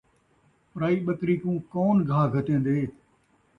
پرائی ٻکری کوں کون گھاہ گھتیندے